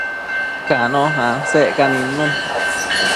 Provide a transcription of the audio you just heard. Cano asecca nidnun